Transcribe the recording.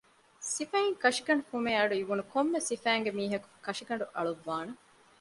ސިފައިން ކަށިގަނޑު ފުމޭ އަޑު އިވުނު ކޮންމެ ސިފައިންގެ މީހަކު ކަށިގަނޑު އަޅުއްވާނެ